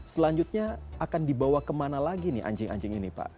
selanjutnya akan dibawa kemana lagi nih anjing anjing ini pak